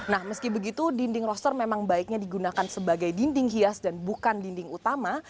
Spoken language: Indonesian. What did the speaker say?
nah meski begitu dinding roster memang baiknya digunakan sebagai dinding hias dan bukan dinding utama